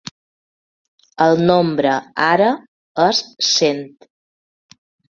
El nombre ara és cent.